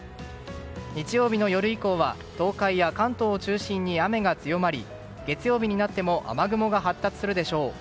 日曜日の夜以降は東海や関東を中心に雨が強まり、月曜日になっても雨雲が発達するでしょう。